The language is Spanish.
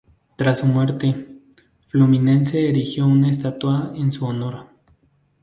Tras su muerte, Fluminense erigió una estatua en su honor.